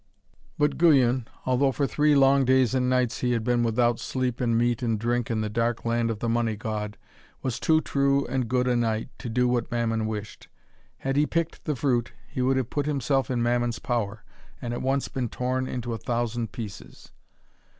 But Guyon, although for three long days and nights he had been without sleep and meat and drink in the dark land of the Money God, was too true and good a knight to do what Mammon wished. Had he picked the fruit, he would have put himself in Mammon's power, and at once been torn into a thousand pieces.